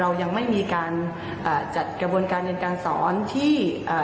เรายังไม่มีการอ่าจัดกระบวนการเรียนการสอนที่อ่า